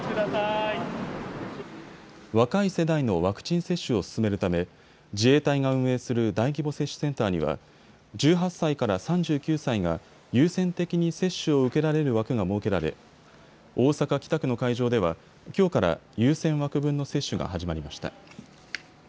若い世代のワクチン接種を進めるため自衛隊が運営する大規模接種センターには１８歳から３９歳が優先的に接種を受けられる枠が設けられ、大阪北区の会場では、きょうから優先枠分の接種が始まりました。